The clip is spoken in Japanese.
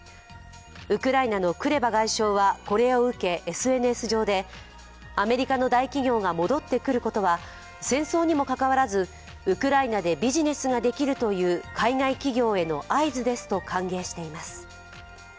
ウクライナのクレバ外相は、これを受けＳＮＳ上でアメリカの大企業が戻ってくることは戦争にもかかわらずウクライナでビジネスができるという海外企業での合図ですと歓迎しています。